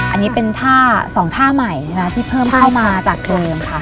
อันนี้เป็นท่า๒ท่าใหม่ใช่ไหมที่เพิ่มเข้ามาจากเกิด